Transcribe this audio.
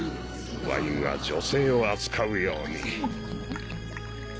ワインは女性を扱うように。